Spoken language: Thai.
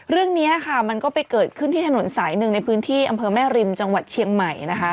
เรื่องนี้ค่ะมันก็ไปเกิดขึ้นที่ถนนสายหนึ่งในพื้นที่อำเภอแม่ริมจังหวัดเชียงใหม่นะคะ